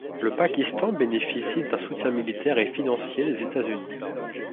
Le Pakistan bénéficie d'un soutien militaire et financier des États-Unis.